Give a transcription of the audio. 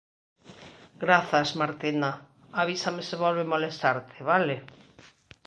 Grazas, Martina. Avísame se volve molestarte, vale?